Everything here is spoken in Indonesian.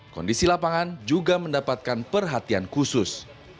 kondisi lapangan juga mendapatkan perhatian khusus